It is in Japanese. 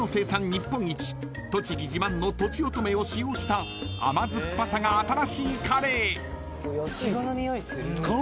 日本一栃木自慢のとちおとめを使用した甘酸っぱさが新しいカレー］